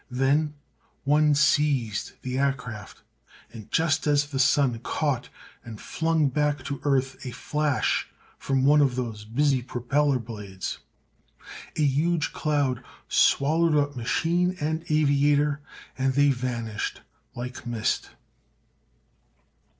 Then one seized the aircraft, and just as the sun caught and flung back to earth a flash from one of the busy propeller blades a huge cloud swallowed up machine and aviator and they vanished like mist.